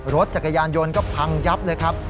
รถจักรยานยนต์ก็พังยับเลยครับ